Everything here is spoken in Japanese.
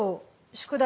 宿題